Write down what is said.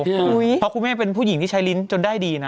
เพราะคุณแม่เป็นผู้หญิงที่ใช้ลิ้นจนได้ดีนะ